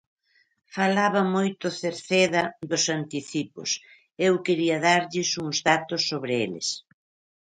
Falaba moito Cerceda dos anticipos, e eu quería darlles uns datos sobre eles.